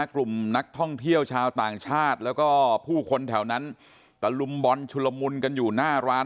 กลุ่มนักท่องเที่ยวชาวต่างชาติแล้วก็ผู้คนแถวนั้นตะลุมบอลชุลมุนกันอยู่หน้าร้าน